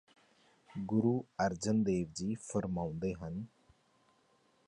ਗੁਰੂ ਅਰਜਨ ਦੇਵ ਜੀ ਫੁਰਮਾਉਂਦੇ ਹਨ